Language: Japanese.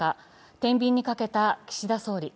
天秤にかけた岸田総理。